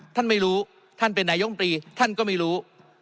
ท่านไม่รู้ท่านเป็นนายมตรีท่านก็ไม่รู้